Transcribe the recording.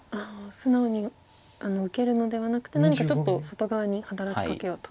素直に受けるのではなくて何かちょっと外側に働きかけようと。